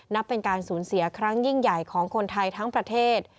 นับเป็นการสูญเสียครั้งยิ่งใหญ่ของคนไทยทั้งประเทศ